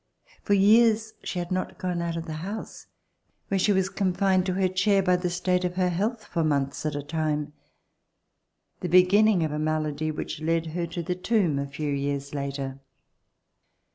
For years she had not gone out of the house, where she was confined to her chair by the state of her health for months at a time, the beginning of a malady which led her to the tomb a few years later.